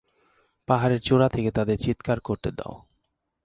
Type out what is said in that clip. পাহাড়ের চূড়া থেকে তাদের চিৎকার করতে দাও।